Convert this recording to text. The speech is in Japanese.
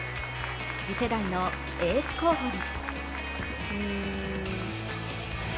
次世代のエース候補に。